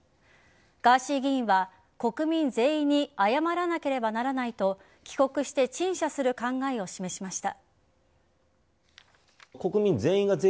ガーシー議員は国民全員に謝らなければならないと帰国して陳謝する考えを示しました。